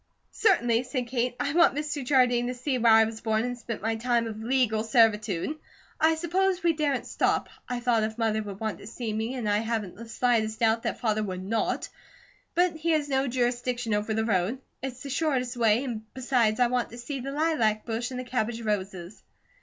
"Certainly," said Kate. "I want Mr. Jardine to see where I was born and spent my time of legal servitude. I suppose we daren't stop. I doubt if Mother would want to see me, and I haven't the slightest doubt that Father would NOT; but he has no jurisdiction over the road. It's the shortest way and besides, I want to see the lilac bush and the cabbage roses."